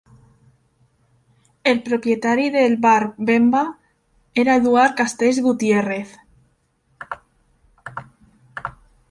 El propietari del Bar Bemba era Eduard Castells Gutiérrez.